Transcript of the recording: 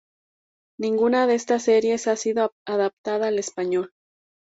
Ninguna de estas series ha sido adaptada al español.